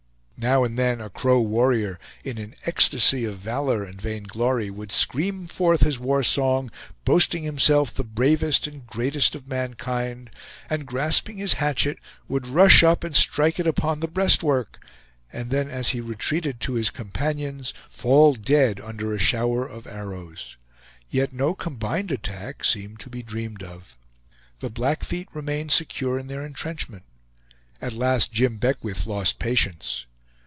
Now and then a Crow warrior in an ecstasy of valor and vainglory would scream forth his war song, boasting himself the bravest and greatest of mankind, and grasping his hatchet, would rush up and strike it upon the breastwork, and then as he retreated to his companions, fall dead under a shower of arrows; yet no combined attack seemed to be dreamed of. The Blackfeet remained secure in their intrenchment. At last Jim Beckwith lost patience.